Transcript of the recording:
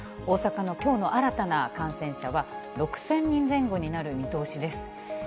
大阪のきょうの新たな感染者は６０００人前後になる見通しです。